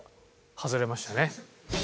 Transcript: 外れましたね。